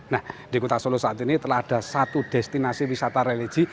nah di kota solo saat ini telah ada satu destinasi wisata religi